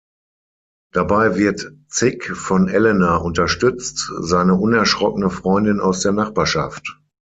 Dabei wird Zick von Elena unterstützt, seine unerschrockene Freundin aus der Nachbarschaft.